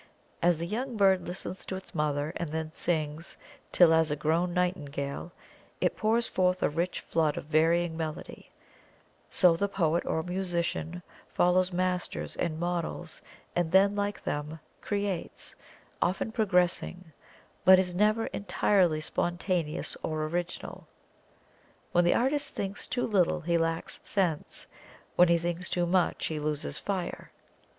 As the young bird listens to its mother and then sings till as a grown nightingale it pours forth a rich flood of varying melody; so the poet or musician follows masters and models, and then, like them, creates, often progressing, but is never entirely spontaneous or original. When the artist thinks too little he lacks sense, when he thinks too much he loses fire.